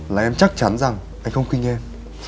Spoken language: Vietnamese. là em chắc chắn rằng anh không khinh em